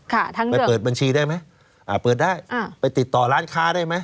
ค่ะทั้งเรื่องไปเปิดบัญชีได้ไหมอ่ะเปิดได้ไปติดต่อร้านค้าได้ไหม